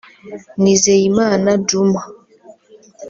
Nizeyimana Djuma